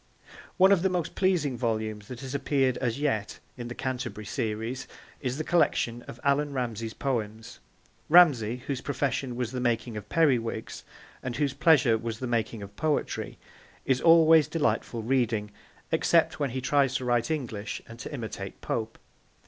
One of the most pleasing volumes that has appeared as yet in the Canterbury Series is the collection of Allan Ramsay's poems. Ramsay, whose profession was the making of periwigs, and whose pleasure was the making of poetry, is always delightful reading, except when he tries to write English and to imitate Pope.